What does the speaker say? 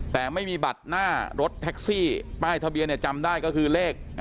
แต่ไม่มีบัตรหน้ารถแท็กซี่ป้ายทะเบียนจำได้ก็คือเลข๙